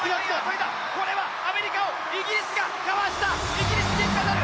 これはアメリカをイギリスがかわした！